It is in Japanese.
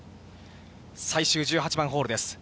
最終１８番ホールです。